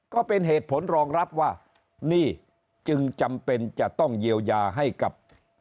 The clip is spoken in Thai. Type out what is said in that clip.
ก็เป็นเหตุผลรองรับว่านี่จึงจำเป็นจะต้องเยียวยาให้กับ